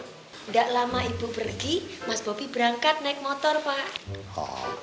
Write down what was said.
tidak lama ibu pergi mas bobi berangkat naik motor pak